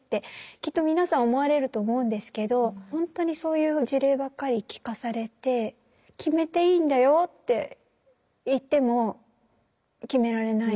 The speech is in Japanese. きっと皆さん思われると思うんですけどほんとにそういう事例ばっかり聞かされて決めていいんだよって言っても決められない。